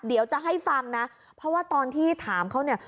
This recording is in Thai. เดี๋ยวจะให้ฟังนะเพราะว่าตอนที่ถามเขาเนี่ย